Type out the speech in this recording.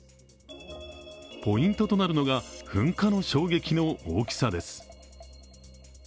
ポイントとなるのが噴火の衝撃の大きさです。